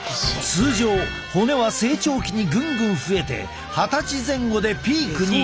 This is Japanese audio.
通常骨は成長期にぐんぐん増えて二十歳前後でピークに。